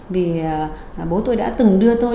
vì bố tôi đã từng đưa tôi